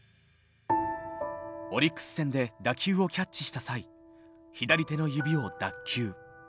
オリックス戦で打球をキャッチした際左手の指を脱臼。